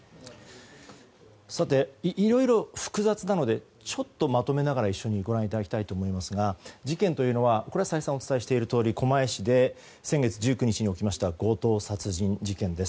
いろいろ複雑なのでちょっとまとめながら一緒にご覧いただきたいと思いますが事件というのは再三お伝えしているとおり狛江市で先月１９日に起きました強盗殺人事件です。